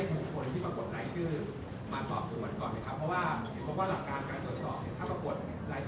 ถ้าปรากฏรายชื่อ๖คนที่จดกระเบียนโดยทางช่องอาลังเทศ